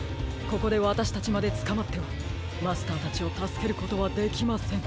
ここでわたしたちまでつかまってはマスターたちをたすけることはできません。